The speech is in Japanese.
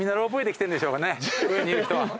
上にいる人は。